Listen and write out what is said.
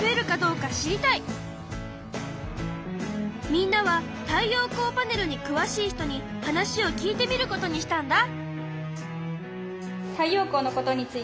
みんなは太陽光パネルにくわしい人に話を聞いてみることにしたんだ。